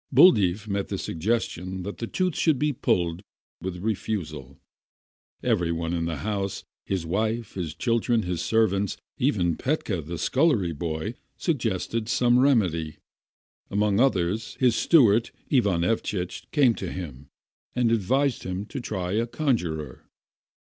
Buldeeff met the suggestion that the tooth should be pulled with refusal. Every one in the house, his wife, his children, the servants, even Petka, the scullery boy, suggested some remedy. Among others his steward, Ivan Evceitch came to him, and advised him to try a conjuror.